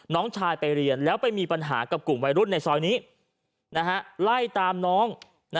น้องชายไปเรียนแล้วไปมีปัญหากับกลุ่มวัยรุ่นในซอยนี้ไล่ตามน้อง